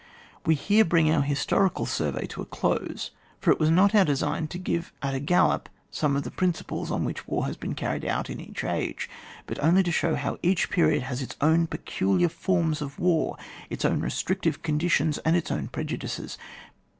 We here brings onr historical snrvey to a dose, for it was not our design to give at a gallop some of the principles on which war has been carried on in each age, but only to show how each period has had its own peculiar forms of war, its own restrictive conditions, and its own prejudices.